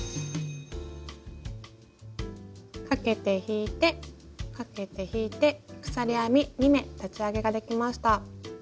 かけて引いてかけて引いて鎖編み２目立ち上げができました。